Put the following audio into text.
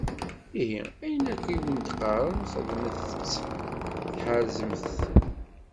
Ihi, ayen akk i wen-d-qqaren, xedmet-tt tḥerzem-t.